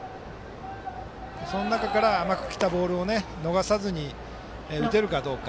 その中から甘くきたボールを逃さずに打てるかどうか。